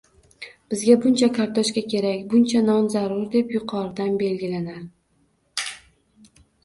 «bizga buncha kartoshka kerak, buncha non zarur», deb yuqoridan belgilanar